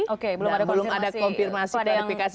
oke belum ada konfirmasi kepada yang pribadi